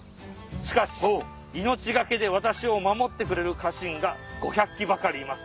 しかし命懸けで私を守ってくれる家臣が５００騎ばかりいます。